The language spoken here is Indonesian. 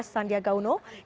sandiaga wimantung dan jokowi